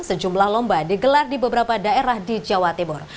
sejumlah lomba digelar di beberapa daerah di jawa timur